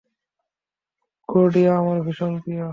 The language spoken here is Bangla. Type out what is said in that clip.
ক্লডিয়া আমার ভীষণ প্রিয়।